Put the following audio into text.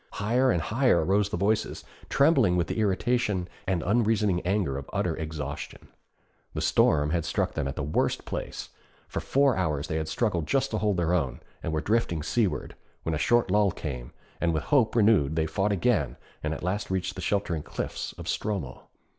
Higher and higher rose the voices, trembling with the irritation and unreasoning anger of utter exhaustion. The storm had struck them at the worst place; for four hours they had struggled just to hold their own, and were drifting seaward, when a short lull came, and with hope renewed they fought again and at last reached the sheltering cliffs of Stromö.